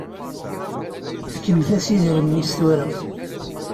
Fkemt-as idrimen-is tura.